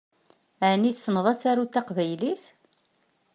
Ɛni tessneḍ ad taruḍ taqbaylit?